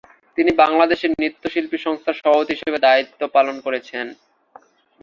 তিনি বাংলাদেশ নৃত্য শিল্পী সংস্থার সভাপতি হিসেবে দায়িত্ব পালন করছেন।